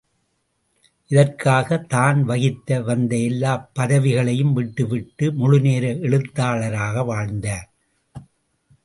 இதற்காக தான் வகித்து வந்த எல்லாப் பதவிகளையும் விட்டுவிட்டு முழுநேர எழுத்தாளராக வாழ்ந்தார்.